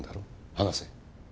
話せ。